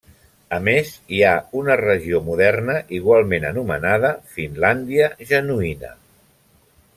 A més hi ha una regió moderna igualment anomenada Finlàndia Genuïna.